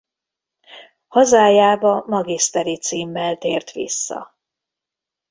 Hazájába magisteri címmel tért vissza.